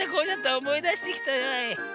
おもいだしてきたわい。